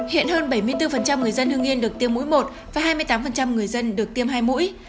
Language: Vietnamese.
hiện hơn bảy mươi bốn người dân hương yên được tiêm mũi một và hai mươi tám người dân được tiêm hai mũi